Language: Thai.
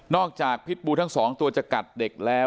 จากพิษบูทั้งสองตัวจะกัดเด็กแล้ว